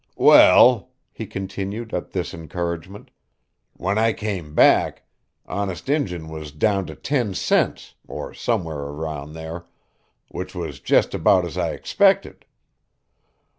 "Well," he continued at this encouragement, "when I came back, Honest Injun was down to ten cents, or somewhere around there, which was just about as I expected.